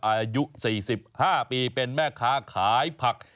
อายุ๔๕ปีเป็นแม่ค้าขายผัก